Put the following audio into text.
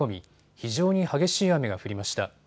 非常に激しい雨が降りました。